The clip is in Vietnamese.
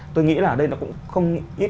tôi nghĩ là ở đây nó cũng không ít